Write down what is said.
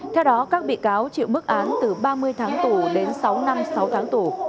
theo đó các bị cáo chịu mức án từ ba mươi tháng tù đến sáu năm sáu tháng tù